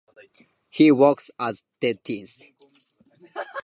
He works as dentist.